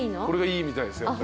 これがいいみたいです。